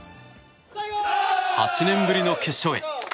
８年ぶりの決勝へ。